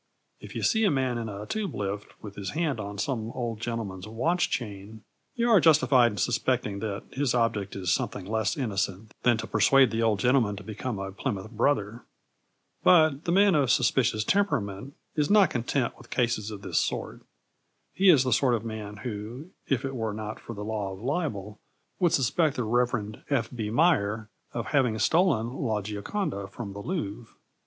If you see a man in a Tube lift with his hand on some old gentleman's watch chain, you are justified in suspecting that his object is something less innocent than to persuade the old gentleman to become a Plymouth Brother. But the man of suspicious temperament is not content with cases of this sort. He is the sort of man who, if it were not for the law of libel, would suspect the Rev. F. B. Meyer of having stolen La Gioconda from the Louvre.